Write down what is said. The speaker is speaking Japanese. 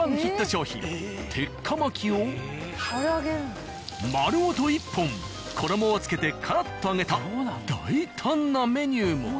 商品鉄火巻きを丸ごと１本衣を付けてからっと揚げた大胆なメニューも。